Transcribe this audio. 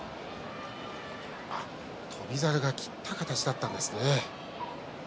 翔猿が切った形だったんですね。